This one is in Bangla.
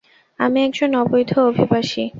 আমি একজন অবৈধ অভিবাসী।